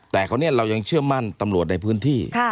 แต่คราวนี้เรายังเชื่อมั่นตำรวจในพื้นที่